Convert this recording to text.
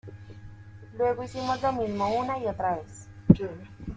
Luego hicimos lo mismo una y otra vez.